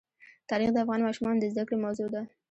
تاریخ د افغان ماشومانو د زده کړې موضوع ده.